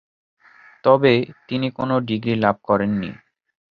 তবে, তিনি কোন ডিগ্রি লাভ করেননি।